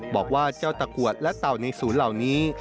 บอกว่าเจ้าตะกรวดและเต่าในศูนย์เหล่านี้